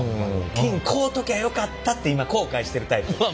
金買うときゃよかったって今後悔してるタイプ。